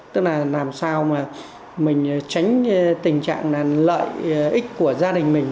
tức là làm sao mà mình tránh tình trạng là lợi ích của gia đình mình